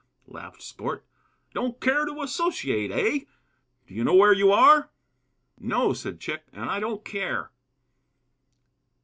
laughed Sport; "don't care to associate, eh? Do you know where you are?" "No," said Chick, "and I don't care."